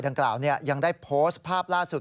ดังกล่าวยังได้โพสต์ภาพล่าสุด